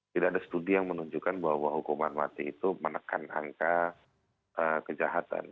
tidak ada studi yang menunjukkan bahwa hukuman mati itu menekan angka kejahatan